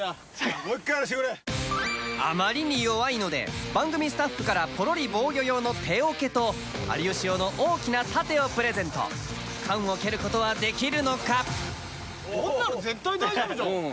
もう一回やらしてくれあまりに弱いので番組スタッフからポロリ防御用の手おけと有吉用の大きな盾をプレゼント缶を蹴ることはできるのか？